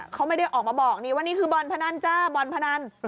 เขาไม่ได้ออกมาบอกนี่ว่านี่คือบ่อนพนันจ้าบอลพนัน